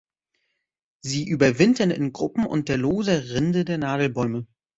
Sie überwintern in Gruppen unter loser Rinde der Nadelbäume.